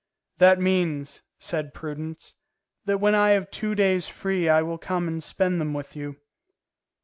"That means," said Prudence, "that when I have two days free I will come and spend them with you."